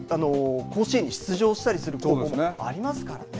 甲子園に出場したりする高校もありますからね。